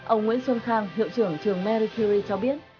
ông nguyễn xuân khang hiệu trưởng trường maricury cho biết